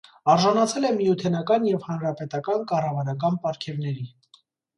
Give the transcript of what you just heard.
Արժանացել է միութենական և հանրապետական կառավարական պարգևների։